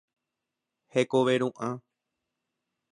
Hekove ru'ã.